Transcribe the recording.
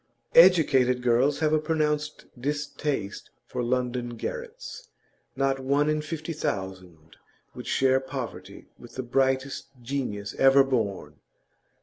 Educated girls have a pronounced distaste for London garrets; not one in fifty thousand would share poverty with the brightest genius ever born.